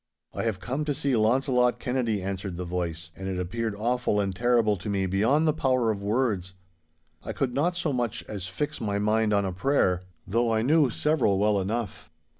'I have come to see Launcelot Kennedy,' answered the voice, and it appeared awful and terrible to me beyond the power of words. I could not so much as fix my mind on a prayer, though I knew several well enough.